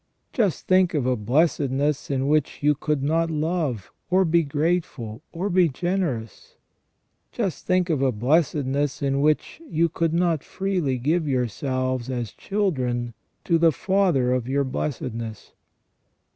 Just think of a blessedness in which you could not love, or be grateful, or be generous. Just think of a blessedness in which you could not freely give yourselves as children to the father of your blessedness.